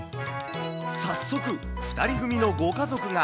早速、２人組のご家族が。